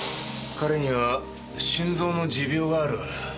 彼には心臓の持病がある。